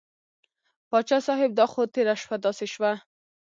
پاچا صاحب دا خو تېره شپه داسې شوه.